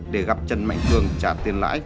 để gặp trần mạnh cường trả tiền lãi